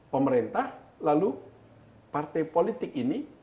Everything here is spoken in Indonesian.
pemerintah lalu partai politik ini